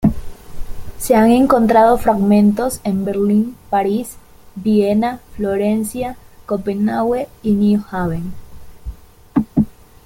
Se han encontrado fragmentos en Berlín, París, Viena, Florencia, Copenhague y New Haven.